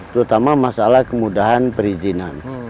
terutama masalah kemudahan perizinan